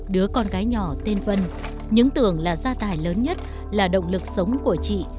đứa con gái nhỏ tên vân những tưởng là gia tài lớn nhất là động lực sống của chị